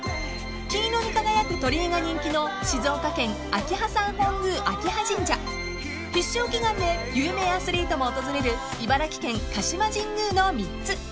金色に輝く鳥居が人気の静岡県秋葉山本宮秋葉神社必勝祈願で有名アスリートも訪れる茨城県鹿島神宮の３つ］